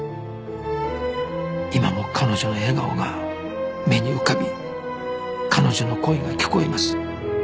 今も彼女の笑顔が目に浮かび彼女の声が聞こえます